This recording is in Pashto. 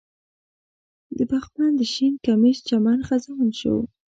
د بخمل د شین کمیس چمن خزان شو